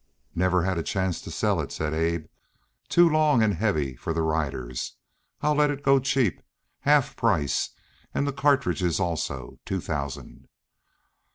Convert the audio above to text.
"Never had a chance to sell it," said Abe. "Too long and heavy for the riders. I'll let it go cheap, half price, and the cartridges also, two thousand."